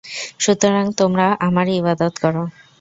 সুতরাং তোমরা আমারই ইবাদত কর।